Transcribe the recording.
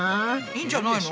いいんじゃないの？